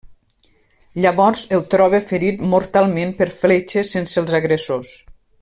Llavors el troba ferit mortalment per fletxes, sense els agressors.